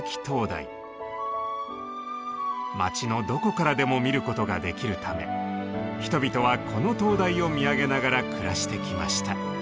町のどこからでも見ることができるため人々はこの灯台を見上げながら暮らしてきました。